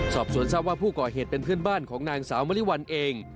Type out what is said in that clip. สอบสวนทราบว่าผู้ก่อเหตุเป็นเพื่อนบ้านของนางสาวมริวัลเอง